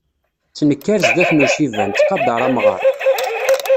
Ttnekkar zdat n uciban, ttqadaṛ amɣar.